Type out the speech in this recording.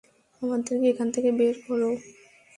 আমাদেরকে এখান থেকে বের কর।